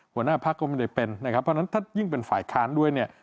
หัวหน้าพักก็ไม่ได้เป็นนะครับเพราะฉะนั้นถ้ายิ่งเป็นฝ่ายค้านด้วยเนี่ย